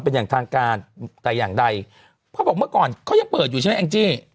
เป็นอย่างทางการแต่อย่างใดเขาบอกเมื่อก่อนเขายังเปิดอยู่ใช่ไหมแองจี้